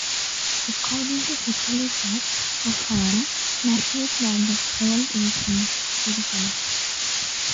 According to Hippolytus of Rome, Matthias died of old age in Jerusalem.